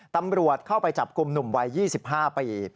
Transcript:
ตำรวจเข้าไปจับกลุ่มหนุ่มวัย๒๕ปี